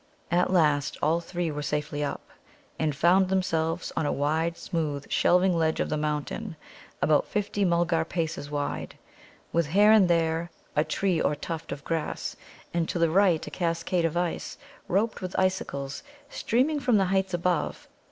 At last all three were safely up, and found themselves on a wide, smooth, shelving ledge of the mountain, about fifty Mulgar paces wide, with here and there a tree or tuft of grass, and to the right a cascade of ice, roped with icicles, streaming from the heights above.